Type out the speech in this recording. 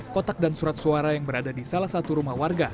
kotak dan surat suara yang berada di salah satu rumah warga